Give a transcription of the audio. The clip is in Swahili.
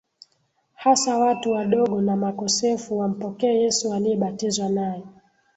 hasa watu wadogo na makosefu wampokee Yesu aliyebatizwa naye